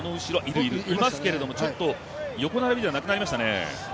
いますけれども横並びではなくなりましたね。